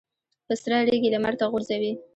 په سره ریګ یې لمر ته غورځوي.